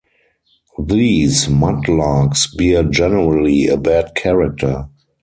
These mud-larks bear generally a bad character.